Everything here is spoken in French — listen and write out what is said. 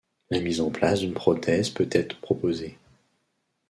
La mise en place d'une prothèse peut être proposée.